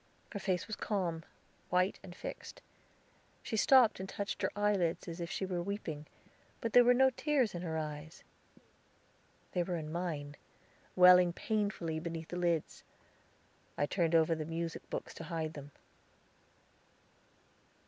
Her face was calm, white, and fixed. She stopped and touched her eyelids, as if she were weeping, but there were no tears in her eyes. They were in mine, welling painfully beneath the lids. I turned over the music books to hide them.